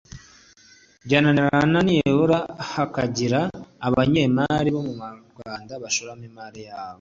byananirana nibura hakagira abanyemari bo mu Rwanda bashoramo imari yabo